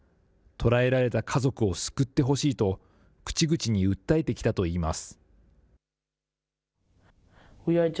捕らえられた家族を救ってほしいと、口々に訴えてきたといいます。